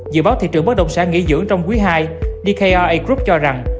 dự báo thị trường bất động sản nghỉ dưỡng trong quý ii dkra group cho rằng